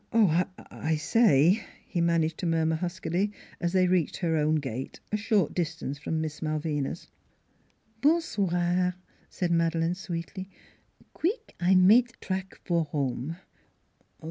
" Oh, I say," he managed to murmur huskily, 292 NEIGHBORS as they reached her own gate, a short distance from Miss Malvina's. " Bon soir" said Madeleine sweetly. " Qweek I make track for 'ome."